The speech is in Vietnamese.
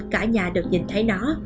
cả nhà được nhìn thấy nó